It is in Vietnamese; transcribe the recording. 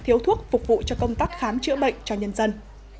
thiếu thuốc phục vụ cho công tác khám chữa bệnh cho nhân dân